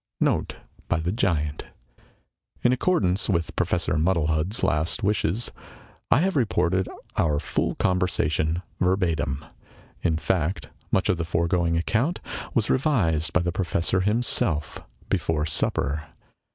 * [Note, by the giant. In accordance with Professor Muddlehed's last wishes, I have reported our full conversation verbatim. In fact, much of the foregoing account was revised by the Professor himself, before supper.